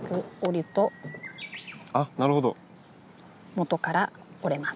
もとから折れます。